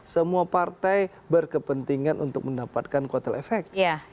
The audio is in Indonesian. semua partai berkepentingan untuk mendapatkan kotel efek